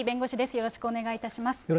よろしくお願いします。